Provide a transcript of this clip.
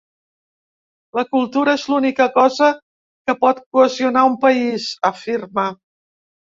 La cultura és l’única cosa que pot cohesionar un país, afirma.